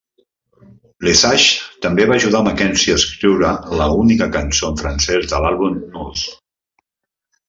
Lesage també va ajudar McKenzie a escriure la única cançó en francès de l'àlbum, "Nous".